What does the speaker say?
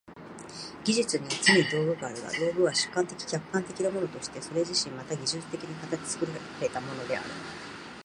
技術にはつねに道具があるが、道具は主観的・客観的なものとしてそれ自身また技術的に形作られたものである。